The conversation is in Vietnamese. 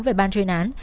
về ban truyền án